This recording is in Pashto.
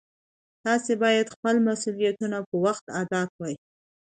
تاسې باید خپل مسؤلیتونه په وخت ادا کړئ